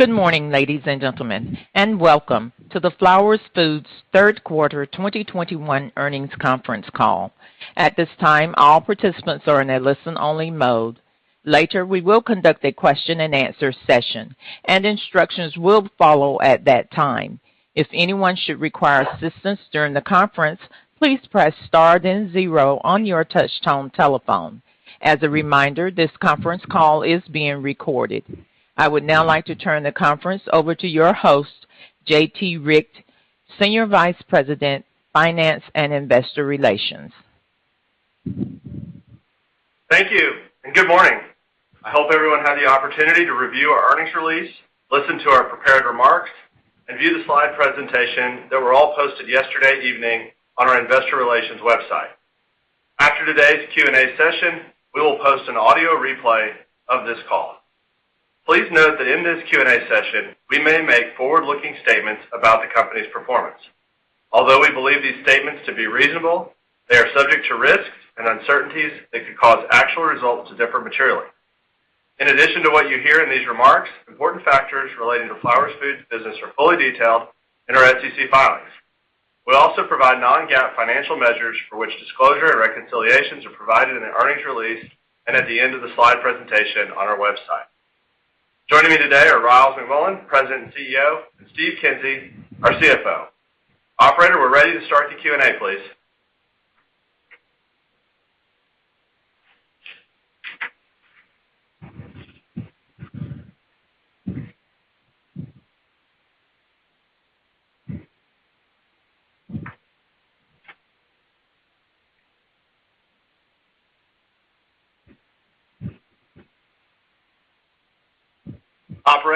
Good morning, ladies and gentlemen, and welcome to the Flowers Foods third quarter 2021 earnings conference call. At this time, all participants are in a listen-only mode. Later, we will conduct a question and answer session and instructions will follow at that time. If anyone should require assistance during the conference, please press star then zero on your touchtone telephone. As a reminder, this conference is being recorded. I would now like to turn the conference over to your host, J.T. Rieck, Senior Vice President, Finance and Investor Relations. Thank you and good morning. I hope everyone had the opportunity to review our earnings release, listen to our prepared remarks, and view the slide presentation that were all posted yesterday evening on our investor relations website. After today's Q&A session, we will post an audio replay of this call. Please note that in this Q&A session we may make forward-looking statements about the company's performance. Although we believe these statements to be reasonable, they are subject to risks and uncertainties that could cause actual results to differ materially. In addition to what you hear in these remarks, important factors relating to Flowers Foods' business are fully detailed in our SEC filings. We also provide non-GAAP financial measures for which disclosure and reconciliations are provided in the earnings release and at the end of the slide presentation on our website. Joining me today are Ryals McMullian, President and CEO, and Steve Kinsey, our CFO. Operator, we're ready to start the Q&A, please. Oh,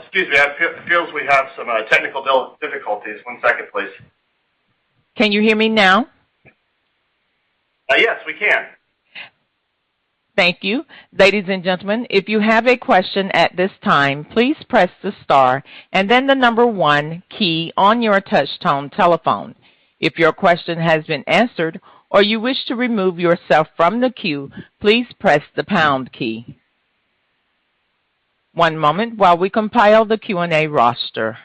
excuse me. It feels we have some technical difficulties. One second, please. Can you hear me now? Yes, we can. Thank you. Ladies and gentlemen, if you have a question at this time, please press the star and then the number one key on your touchtone telephone. If your question has been answered or you wish to remove yourself from the queue, please press the pound key. One moment while we compile the Q&A roster.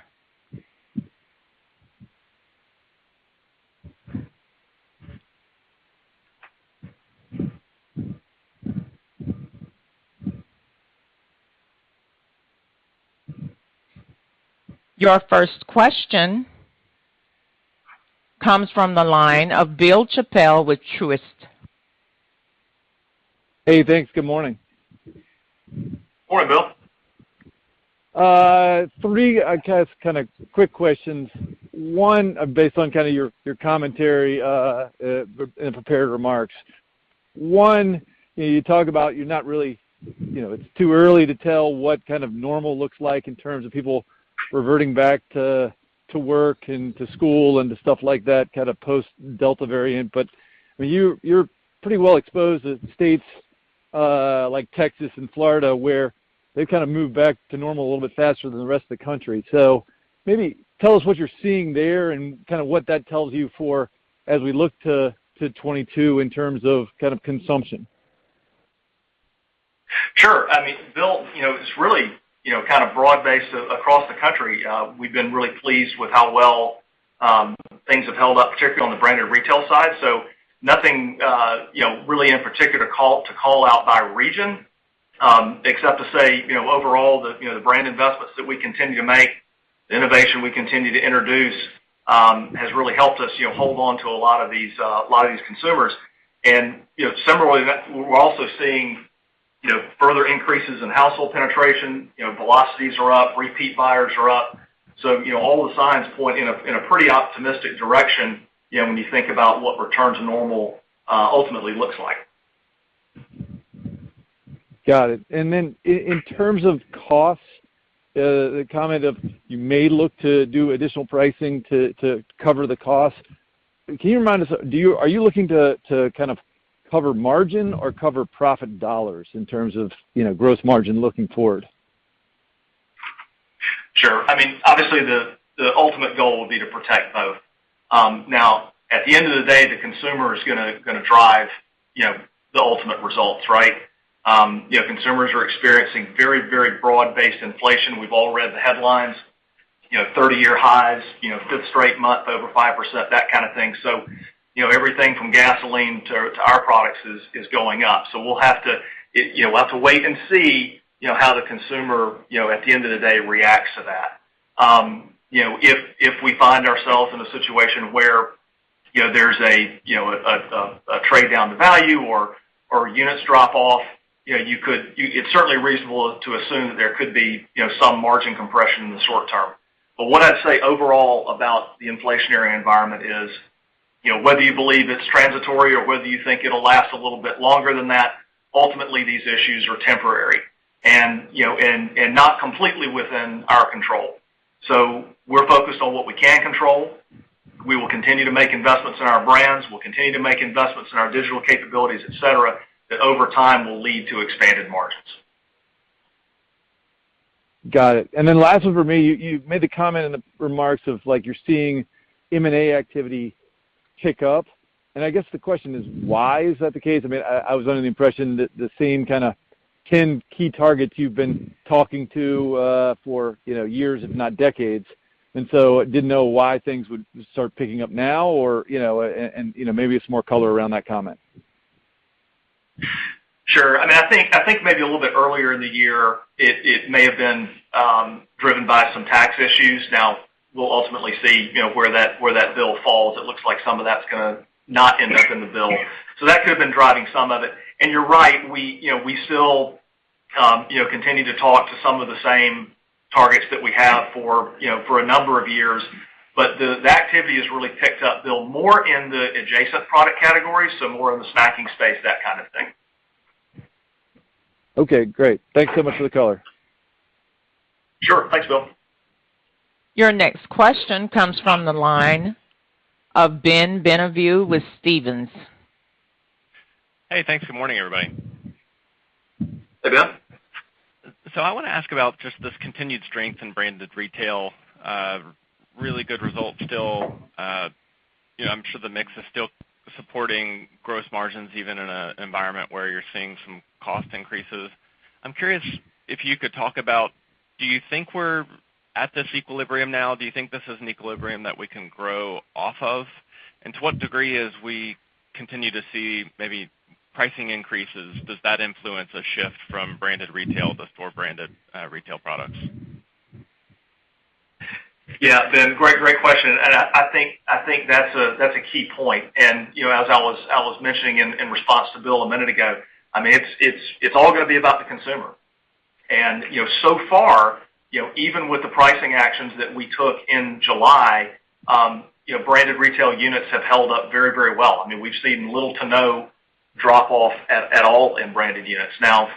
Your first question comes from the line of Bill Chappell with Truist. Hey, thanks. Good morning. Morning, Bill. 3, I guess, kind of quick questions. One, based on kind of your commentary and prepared remarks. You know, you talk about you're not really, you know, it's too early to tell what kind of normal looks like in terms of people reverting back to work and to school and to stuff like that, kind of post Delta variant. You're pretty well exposed to states like Texas and Florida, where they've kind of moved back to normal a little bit faster than the rest of the country. Maybe tell us what you're seeing there and kind of what that tells you for as we look to 2022 in terms of kind of consumption. Sure. I mean, Bill, you know, it's really, you know, kind of broad-based across the country. We've been really pleased with how well things have held up, particularly on the branded retail side. Nothing, you know, really in particular to call out by region, except to say, you know, overall, the brand investments that we continue to make, innovation we continue to introduce, has really helped us, you know, hold on to a lot of these consumers. Similarly, we're also seeing, you know, further increases in household penetration. You know, velocities are up, repeat buyers are up. All the signs point in a pretty optimistic direction, you know, when you think about what return to normal ultimately looks like. Got it. In terms of costs, the comment that you may look to do additional pricing to cover the cost, can you remind us, are you looking to kind of cover margin or cover profit dollars in terms of, you know, gross margin looking forward? Sure. I mean, obviously the ultimate goal would be to protect both. Now at the end of the day, the consumer is gonna drive, you know, the ultimate results, right? You know, consumers are experiencing very broad-based inflation. We've all read the headlines, you know, 30-year highs, you know, fifth straight month over 5%, that kind of thing. So, you know, everything from gasoline to our products is going up. So we'll have to wait and see, you know, how the consumer, you know, at the end of the day reacts to that. You know, if we find ourselves in a situation where, you know, there's a trade down to value or units drop off, you know, it's certainly reasonable to assume that there could be, you know, some margin compression in the short term. What I'd say overall about the inflationary environment is, you know, whether you believe it's transitory or whether you think it'll last a little bit longer than that, ultimately these issues are temporary and, you know, not completely within our control. We're focused on what we can control. We will continue to make investments in our brands, we'll continue to make investments in our digital capabilities, et cetera, that over time will lead to expanded margins. Got it. Last one for me, you made the comment in the remarks of, like, you're seeing M&A activity kick up. I guess the question is, why is that the case? I mean, I was under the impression that the same kinda 10 key targets you've been talking to, for, you know, years if not decades, and so didn't know why things would start picking up now or, you know, maybe it's more color around that comment. Sure. I mean, I think maybe a little bit earlier in the year it may have been driven by some tax issues. Now we'll ultimately see, you know, where that bill falls. It looks like some of that's gonna not end up in the bill. That could have been driving some of it. You're right, we you know we still you know continue to talk to some of the same targets that we have for you know for a number of years. The activity has really picked up, Bill, more in the adjacent product categories, so more in the snacking space, that kind of thing. Okay, great. Thanks so much for the color. Sure. Thanks, Bill. Your next question comes from the line of Ben Bienvenu with Stephens. Hey, thanks. Good morning, everybody. Hey, Ben. I wanna ask about just this continued strength in branded retail, really good results still. You know, I'm sure the mix is still supporting gross margins even in an environment where you're seeing some cost increases. I'm curious if you could talk about, do you think we're at this equilibrium now? Do you think this is an equilibrium that we can grow off of? To what degree as we continue to see maybe pricing increases, does that influence a shift from branded retail to store branded, retail products? Yeah, Ben, great question, and I think that's a key point. You know, as I was mentioning in response to Bill a minute ago, I mean, it's all gonna be about the consumer. You know, so far, even with the pricing actions that we took in July, you know, branded retail units have held up very well. I mean, we've seen little to no drop off at all in branded units. Now,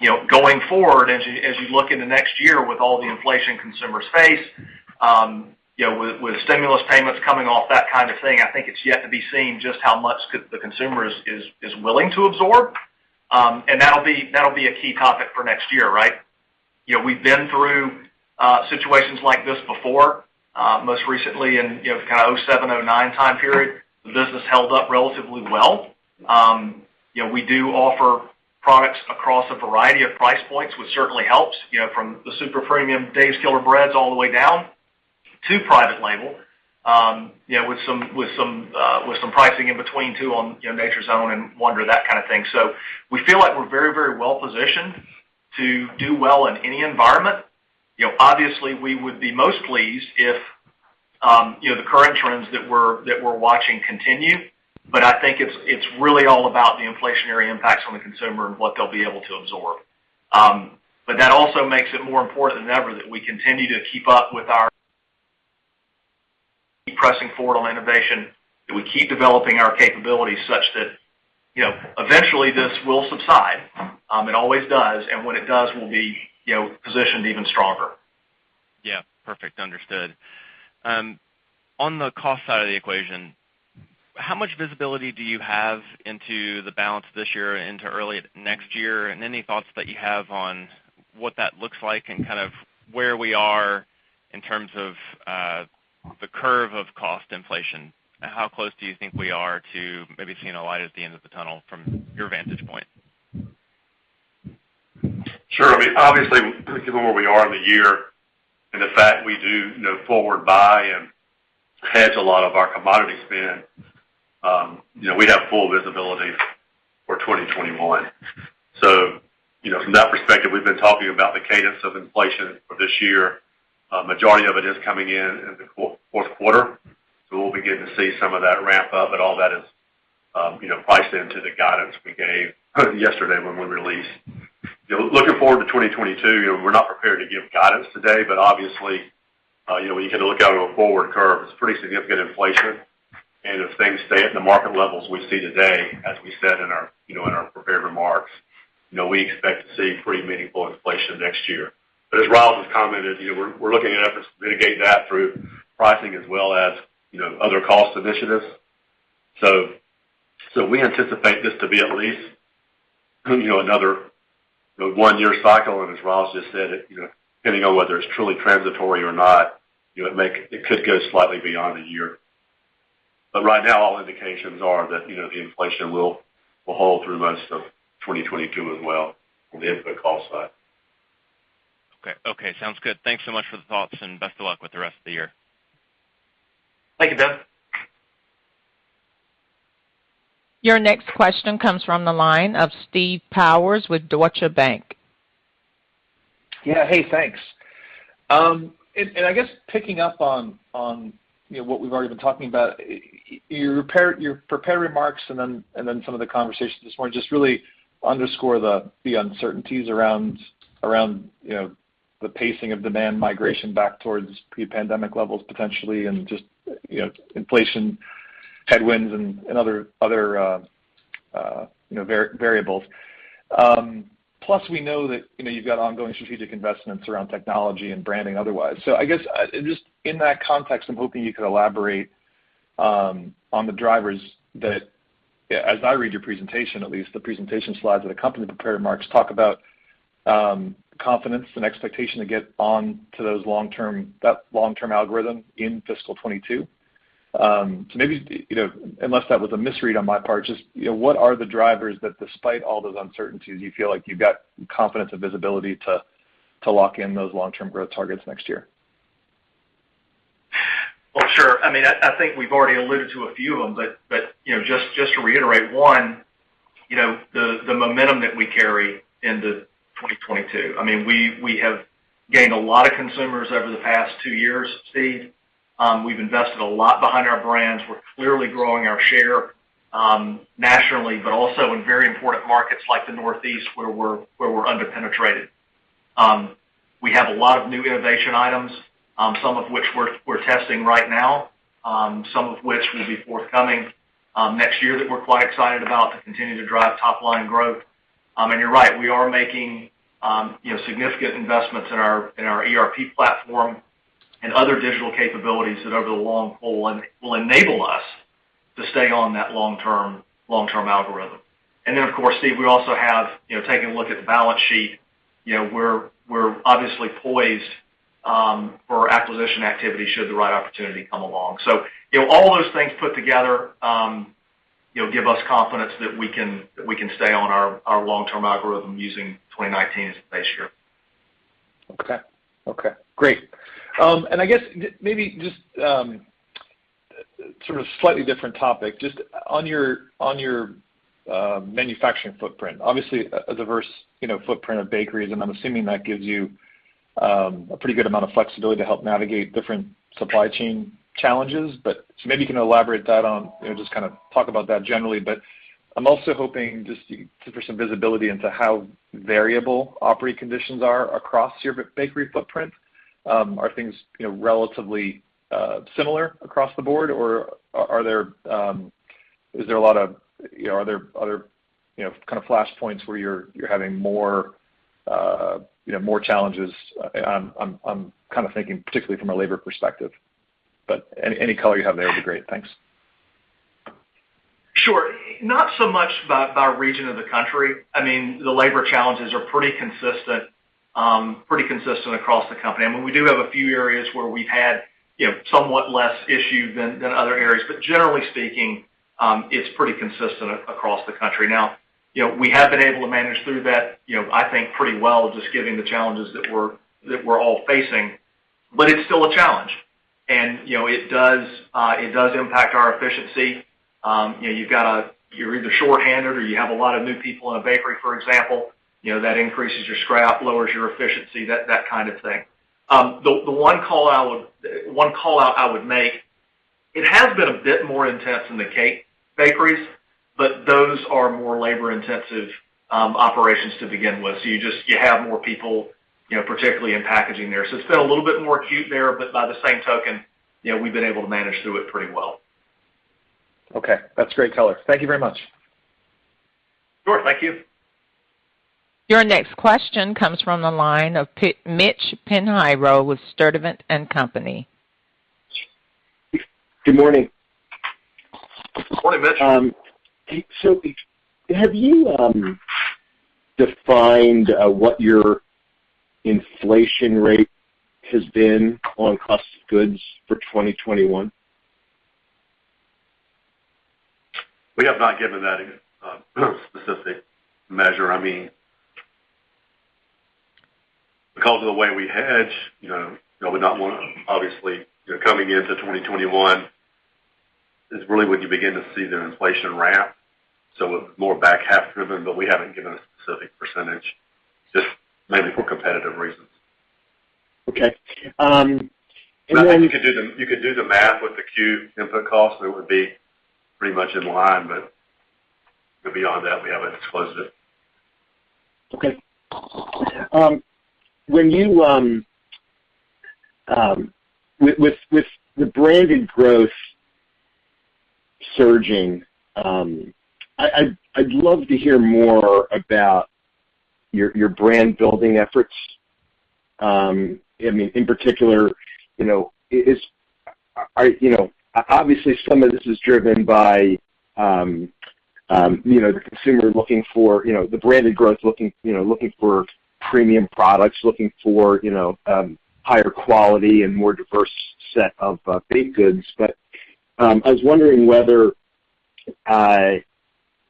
you know, going forward, as you look in the next year with all the inflation consumers face, you know, with stimulus payments coming off, that kind of thing, I think it's yet to be seen just how much the consumer is willing to absorb. That'll be a key topic for next year, right? You know, we've been through situations like this before, most recently in, you know, kind of 2007, 2009 time period. The business held up relatively well. You know, we do offer products across a variety of price points, which certainly helps, you know, from the super premium Dave's Killer Bread all the way down to private label, you know, with some pricing in between too on, you know, Nature's Own and Wonder, that kind of thing. We feel like we're very, very well positioned to do well in any environment. You know, obviously, we would be most pleased if, you know, the current trends that we're watching continue, but I think it's really all about the inflationary impacts on the consumer and what they'll be able to absorb. That also makes it more important than ever that we continue to keep up with our pressing forward on innovation, that we keep developing our capabilities such that, you know, eventually this will subside. It always does, and when it does, we'll be, you know, positioned even stronger. Yeah. Perfect. Understood. On the cost side of the equation, how much visibility do you have into the balance this year into early next year? Any thoughts that you have on what that looks like and kind of where we are in terms of, the curve of cost inflation? How close do you think we are to maybe seeing a light at the end of the tunnel from your vantage point? Sure. I mean, obviously given where we are in the year and the fact we do, you know, forward buy and hedge a lot of our commodity spend, you know, we have full visibility for 2021. You know, from that perspective, we've been talking about the cadence of inflation for this year. Majority of it is coming in the fourth quarter, so we'll begin to see some of that ramp up, but all that is, you know, priced into the guidance we gave yesterday when we released. You know, looking forward to 2022, you know, we're not prepared to give guidance today, but obviously, you know, when you kind of look out on a forward curve, it's pretty significant inflation. If things stay at the market levels we see today, as we said in our, you know, in our prepared remarks, you know, we expect to see pretty meaningful inflation next year. As Ryals has commented, you know, we're looking at efforts to mitigate that through pricing as well as, you know, other cost initiatives. We anticipate this to be at least, you know, another one-year cycle, and as Ryals just said, you know, depending on whether it's truly transitory or not, you know, it could go slightly beyond a year. Right now, all indications are that, you know, the inflation will hold through most of 2022 as well on the input cost side. Okay, sounds good. Thanks so much for the thoughts, and best of luck with the rest of the year. Thank you, Ben. Your next question comes from the line of Steve Powers with Deutsche Bank. Yeah. Hey, thanks. I guess picking up on you know what we've already been talking about your prepared remarks and then some of the conversations this morning just really underscore the uncertainties around you know the pacing of demand migration back towards pre-pandemic levels potentially and just you know inflation headwinds and other you know variables. Plus we know that you know you've got ongoing strategic investments around technology and branding otherwise. I guess just in that context I'm hoping you could elaborate on the drivers that as I read your presentation at least the presentation slides of the company prepared remarks talk about confidence and expectation to get on to that long-term algorithm in fiscal 2022. Maybe, you know, unless that was a misread on my part, just, you know, what are the drivers that despite all those uncertainties, you feel like you've got confidence and visibility to lock in those long-term growth targets next year? Well, sure. I mean, I think we've already alluded to a few of them, but you know, to reiterate, one, you know, the momentum that we carry into 2022. I mean, we have gained a lot of consumers over the past two years, Steve. We've invested a lot behind our brands. We're clearly growing our share nationally, but also in very important markets like the Northeast, where we're under-penetrated. We have a lot of new innovation items, some of which we're testing right now, some of which will be forthcoming next year that we're quite excited about to continue to drive top-line growth. You're right, we are making, you know, significant investments in our ERP platform and other digital capabilities that over the long haul will enable us to stay on that long-term algorithm. Of course, Steve, we also have, you know, taking a look at the balance sheet, you know, we're obviously poised for acquisition activity should the right opportunity come along. You know, all those things put together give us confidence that we can stay on our long-term algorithm using 2019 as a base year. Okay. Great. I guess maybe just sort of slightly different topic, just on your manufacturing footprint, obviously a diverse, you know, footprint of bakeries, and I'm assuming that gives you a pretty good amount of flexibility to help navigate different supply chain challenges. Maybe you can elaborate that on, you know, just kinda talk about that generally, but I'm also hoping just for some visibility into how variable operating conditions are across your bakery footprint. Are things, you know, relatively similar across the board, or are there is there a lot of, you know, are there other, you know, kind of flashpoints where you're having more, you know, more challenges? I'm kind of thinking particularly from a labor perspective, but any color you have there would be great. Thanks. Sure. Not so much by region of the country. I mean, the labor challenges are pretty consistent across the company. I mean, we do have a few areas where we've had, you know, somewhat less issue than other areas, but generally speaking, it's pretty consistent across the country. Now, you know, we have been able to manage through that, you know, I think pretty well, just given the challenges that we're all facing, but it's still a challenge. You know, it does impact our efficiency. You know, you're either shorthanded or you have a lot of new people in a bakery, for example, you know, that increases your scrap, lowers your efficiency, that kind of thing. The one call out I would make, it has been a bit more intense in the cake bakeries, but those are more labor-intensive operations to begin with. You just have more people, you know, particularly in packaging there. It's been a little bit more acute there, but by the same token, you know, we've been able to manage through it pretty well. Okay. That's great color. Thank you very much. Sure. Thank you. Your next question comes from the line of Mitchell Pinheiro with Sturdivant & Co. Good morning. Morning, Mitch. Have you defined what your inflation rate has been on cost of goods for 2021? We have not given that specific measure. I mean, because of the way we hedge, you know, we would not want to, obviously, you know, coming into 2021 is really when you begin to see the inflation ramp, so more back half driven, but we haven't given a specific percentage, just mainly for competitive reasons. Okay. You could do the math with the Q1 input cost. It would be pretty much in line, but beyond that, we haven't disclosed it. Okay. With the branded growth surging, I'd love to hear more about your brand building efforts. I mean, in particular, you know, obviously, some of this is driven by, you know, the consumer looking for, you know, the branded growth looking, you know, looking for premium products, looking for, you know, higher quality and more diverse set of baked goods. I was wondering whether,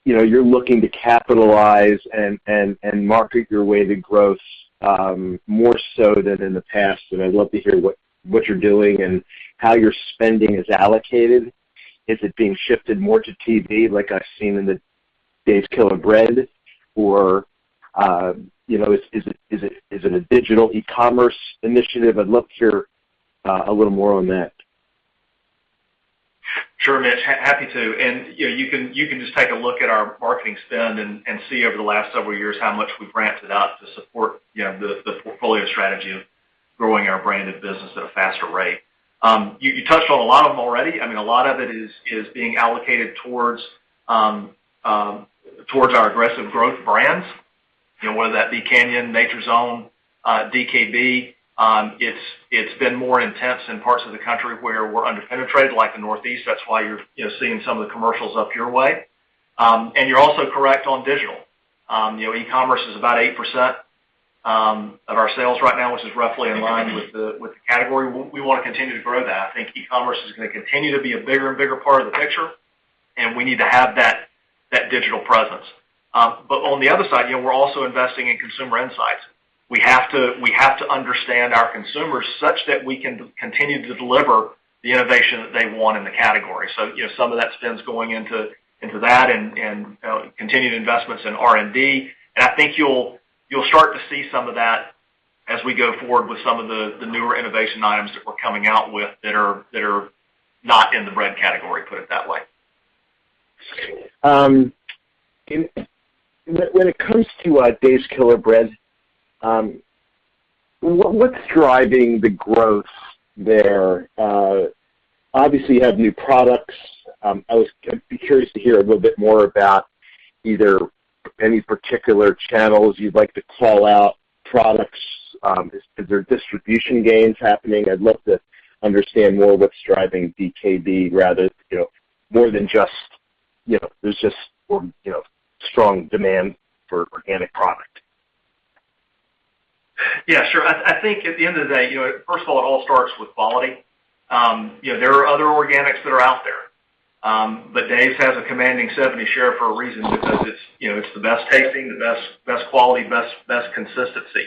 you know, you're looking to capitalize and market your way to growth, more so than in the past. I'd love to hear what you're doing and how your spending is allocated. Is it being shifted more to TV like I've seen in the Dave's Killer Bread, or, you know, is it a digital e-commerce initiative? I'd love to hear a little more on that. Sure, Mitch. Happy to. You know, you can just take a look at our marketing spend and see over the last several years how much we've ramped it up to support, you know, the portfolio strategy, growing our branded business at a faster rate. You touched on a lot of them already. I mean, a lot of it is being allocated towards our aggressive growth brands, you know, whether that be Canyon, Nature's Own, DKB. It's been more intense in parts of the country where we're under-penetrated, like the Northeast. That's why you're, you know, seeing some of the commercials up your way. You're also correct on digital. You know, e-commerce is about 8% of our sales right now, which is roughly in line with the category. We wanna continue to grow that. I think e-commerce is gonna continue to be a bigger and bigger part of the picture, and we need to have that digital presence. But on the other side, you know, we're also investing in consumer insights. We have to understand our consumers such that we can continue to deliver the innovation that they want in the category. You know, some of that spend's going into that and, you know, continued investments in R&D. I think you'll start to see some of that as we go forward with some of the newer innovation items that we're coming out with that are not in the bread category, put it that way. When it comes to Dave's Killer Bread, what's driving the growth there? Obviously, you have new products. I'd be curious to hear a little bit more about either any particular channels you'd like to call out, products, is there distribution gains happening? I'd love to understand more what's driving DKB rather, you know, more than just, you know, there's just, you know, strong demand for organic product. Yeah, sure. I think at the end of the day, you know, first of all, it all starts with quality. You know, there are other organics that are out there. But Dave's has a commanding 70% share for a reason because it's, you know, it's the best tasting, the best quality, best consistency.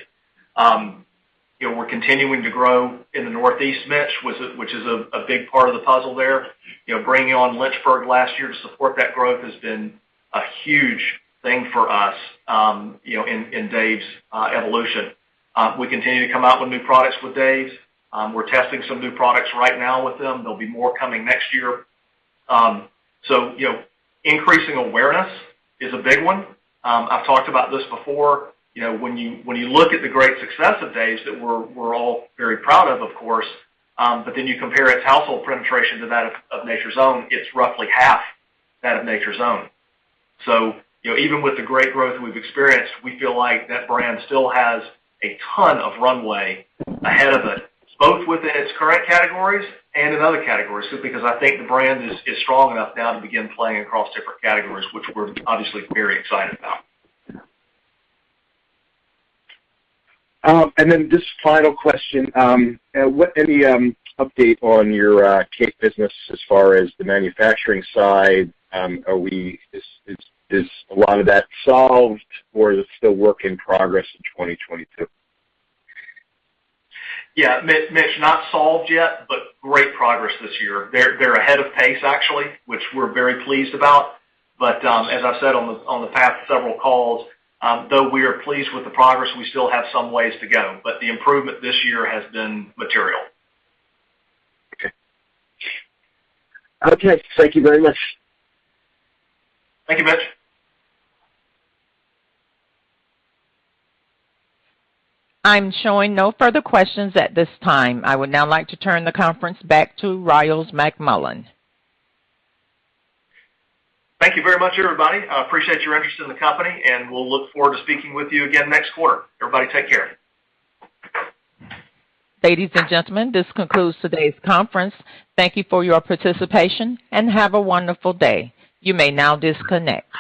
You know, we're continuing to grow in the Northeast, Mitch, which is a big part of the puzzle there. You know, bringing on Lynchburg last year to support that growth has been a huge thing for us, you know, in Dave's evolution. We continue to come out with new products with Dave's. We're testing some new products right now with them. There'll be more coming next year. So, you know, increasing awareness is a big one. I've talked about this before. You know, when you look at the great success of Dave's that we're all very proud of course, but then you compare its household penetration to that of Nature's Own, it's roughly half that of Nature's Own. You know, even with the great growth we've experienced, we feel like that brand still has a ton of runway ahead of it, both within its current categories and in other categories, just because I think the brand is strong enough now to begin playing across different categories, which we're obviously very excited about. Just final question. Any update on your cake business as far as the manufacturing side? Is a lot of that solved or is it still work in progress in 2022? Yeah. Mitch, not solved yet, but great progress this year. They're ahead of pace actually, which we're very pleased about. As I've said on the past several calls, though we are pleased with the progress, we still have some ways to go, but the improvement this year has been material. Okay. Thank you very much. Thank you, Mitch. I'm showing no further questions at this time. I would now like to turn the conference back to Ryals McMullian. Thank you very much, everybody. I appreciate your interest in the company, and we'll look forward to speaking with you again next quarter. Everybody take care. Ladies and gentlemen, this concludes today's conference. Thank you for your participation, and have a wonderful day. You may now disconnect.